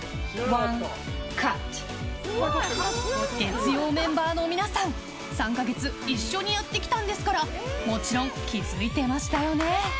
月曜メンバーの皆さん３か月一緒にやってきたんですからもちろん気づいてましたよね？